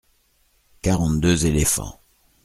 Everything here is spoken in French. Quarante-deux éléphants.